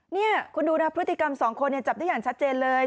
นี่คุณดูนะพฤติกรรมสองคนจับได้อย่างชัดเจนเลย